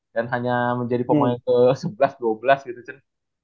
dan hanya menjadi pemain ke sebelas ke dua belas gitu cen